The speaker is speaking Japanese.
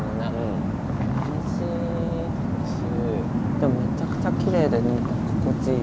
でもめちゃくちゃきれいでなんか心地いい。